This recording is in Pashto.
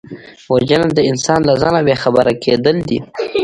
وژنه د انسان له ځانه بېخبره کېدل دي